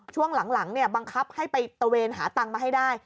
ช่วงหลังบังคับให้ไปตะเวนหาตังค์มาให้ได้